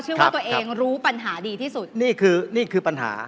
เชื่อว่าตัวเองรู้ปัญหาดีที่สุด